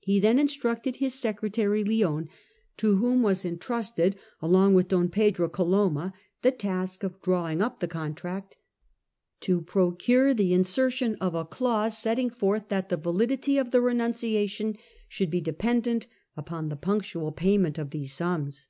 He then instructed his secretary Lionne, to whom was entrusted along with Don Pedro Coloma the task of Insertion of drawing up the contract, to procure the inser lating to" t* 011 a c i au se setting forth that the validity of dowry. the renunciation should be dependent upon the punctual payments of these sums.